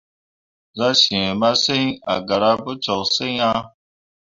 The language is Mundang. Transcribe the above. Zah zaa masǝŋ a gara pu toksyiŋ ah.